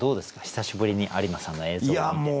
久しぶりに有馬さんの映像を見て。